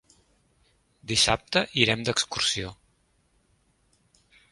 Dissabte irem d'excursió.